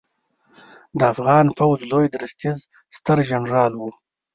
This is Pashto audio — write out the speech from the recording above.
د افغان پوځ لوی درستیز سترجنرال و